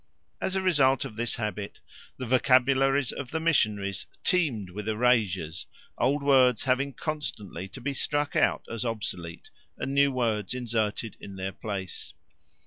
As a result of this habit, the vocabularies of the missionaries teemed with erasures, old words having constantly to be struck out as obsolete and new ones inserted in their place.